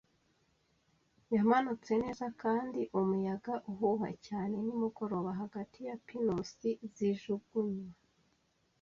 yamanutse neza kandi umuyaga uhuha cyane nimugoroba hagati ya pinusi zijugunywa.